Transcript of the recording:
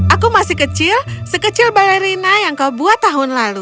aku masih kecil sekecil balerina yang kau buat tahun lalu